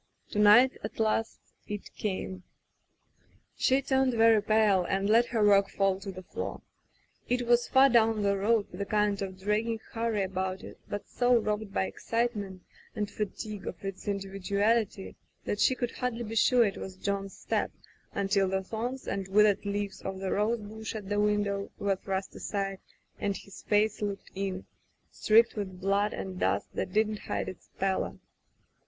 To night, at last, it came. She turned very pale and let her work fall to the floor. It was far down the road, with a kind of dragging hurry about it, but so robbed by excitement and fatigue of its indi viduality that she could hardly be sure it was John's step until the thorns and withered leaves of the rosebush at the window were thrust aside, and his face looked in, streaked with blood and dust that did not hide its pallor.